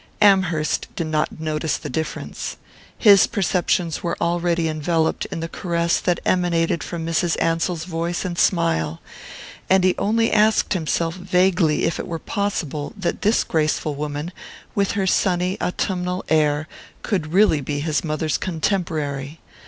Amherst did not notice the difference. His perceptions were already enveloped in the caress that emanated from Mrs. Ansell's voice and smile; and he only asked himself vaguely if it were possible that this graceful woman, with her sunny autumnal air, could really be his mother's contemporary.